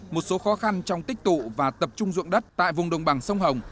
một số khó khăn trong tích tụ và tập trung dụng đất tại vùng đồng bằng sông hồng